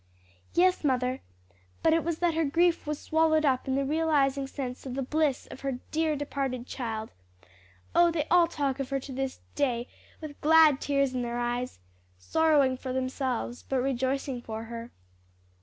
"Yes, mother, but it was that her grief was swallowed up in the realizing sense of the bliss of her dear departed child. Oh they all talk of her to this day with glad tears in their eyes, sorrowing for themselves but rejoicing for her."